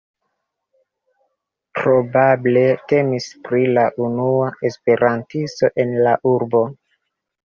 Probable temis pri la unua esperantisto en la urbo.